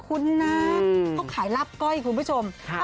คุณนะเขาขายลาบก้อยคุณผู้ชม